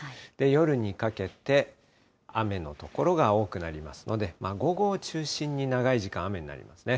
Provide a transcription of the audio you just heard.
夜にかけて、雨の所が多くなりますので、午後を中心に長い時間雨になりますね。